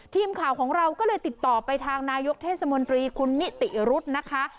ทีมข่าวของเราก็เลยติดต่อไปทางนายกเทศมนตรีคุณนิติรุธนะคะ